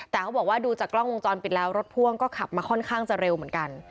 แต่เขาบอกว่าดูจากกล้องวงจรปิดแล้วรถพ่วงก็ขับมาค่อนข้างจะเร็วเหมือนกัน